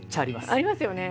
ありますよね。